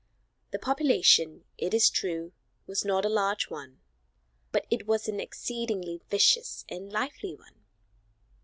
The population, it is true, was not a large one, but it was an exceedingly vicious and lively one.